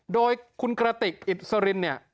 โดยคุณกระติกอิสรินเนี่ย